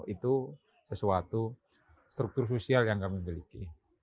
itu sesuatu struktur sosial yang kami miliki